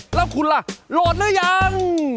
แล้วคุณล่ะโหลดหรือยัง